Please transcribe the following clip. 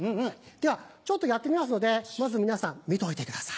ではちょっとやってみますのでまず皆さん見といてください。